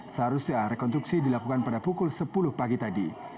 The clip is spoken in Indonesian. seharusnya rekonstruksi dilakukan pada pukul sepuluh pagi tadi